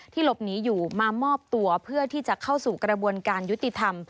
หลบหนีอยู่มามอบตัวเพื่อที่จะเข้าสู่กระบวนการยุติธรรม